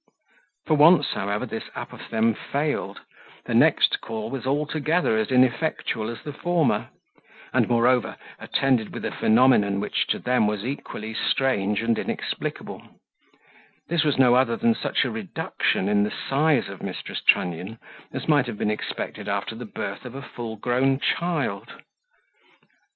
For once, however, this apophthegm failed; the next call was altogether as ineffectual as the former; and moreover, attended with a phenomenon which to them was equally strange and inexplicable: this was no other than such a reduction in the size of Mrs. Trunnion as might have been expected after the birth of a full grown child.